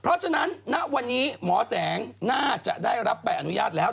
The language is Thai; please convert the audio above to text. เพราะฉะนั้นณวันนี้หมอแสงน่าจะได้รับใบอนุญาตแล้ว